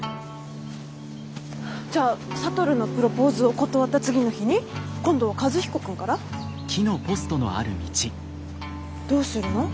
じゃあ智のプロポーズを断った次の日に今度は和彦君から？どうするの？